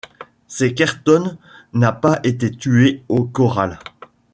C’est qu’Ayrton n’a pas été tué au corral!